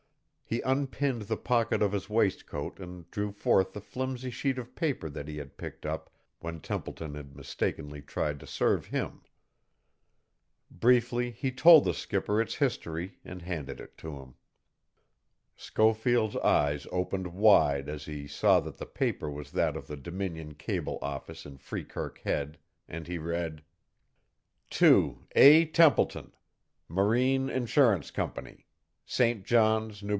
He unpinned the pocket of his waistcoat and drew forth the flimsy sheet of paper that he had picked up when Templeton had mistakenly tried to serve him. Briefly he told the skipper its history and handed it to him. Schofield's eyes opened wide as he saw that the paper was that of the Dominion Cable office in Freekirk Head, and he read: "To A. TEMPLETON, "Marine Insurance Company, "St. John's, N.B.